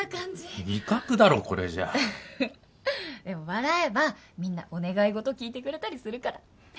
でも笑えばみんなお願い事聞いてくれたりするから。